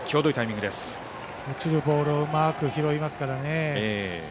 落ちるボールをうまく拾いますからね。